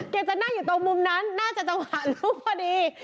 แกจะนั่งอยู่ตรงมุมนั้นน่าจะจังหวะลุกพอดี